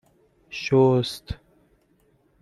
شست